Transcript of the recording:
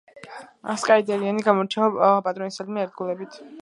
სკაიტერიერი გამოირჩევა პატრონისადმი ერთგულებით.